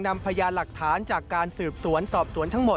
นำพยานหลักฐานจากการสืบสวนสอบสวนทั้งหมด